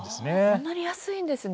こんなに安いんですね。